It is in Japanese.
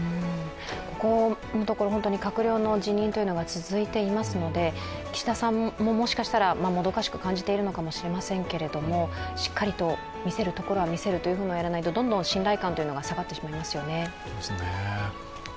ここのところ、閣僚の辞任が続いていますので岸田さんももしかしたらもどかしく感じているのかもしれませんけどもしっかりと見せるところは見せるというふうにやらないとどんどん信頼感が下がってしまいますよね。